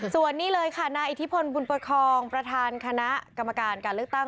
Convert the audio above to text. ส่วนนี้เลยค่ะนายอิทธิพลบุญประคองประธานคณะกรรมการการเลือกตั้ง